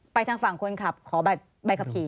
ทางฝั่งคนขับขอใบขับขี่